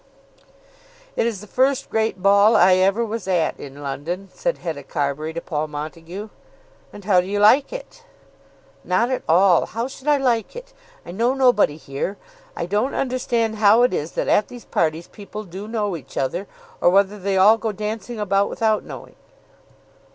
"It is the first great ball I ever was at in London," said Hetta Carbury to Paul Montague. "And how do you like it?" "Not at all. How should I like it? I know nobody here. I don't understand how it is that at these parties people do know each other, or whether they all go dancing about without knowing."